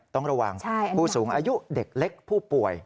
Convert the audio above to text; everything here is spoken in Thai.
ต้องระวังผู้สูงอายุเด็กเล็กผู้ป่วย